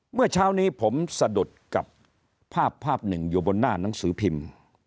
เมื่อเช้านี้ผมสะดุดกับภาพภาพหนึ่งอยู่บนหน้าหนังสือพิมพ์